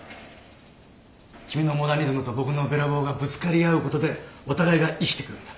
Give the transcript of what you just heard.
君のモダニズムと僕のベラボーがぶつかり合うことでお互いが生きてくるんだ。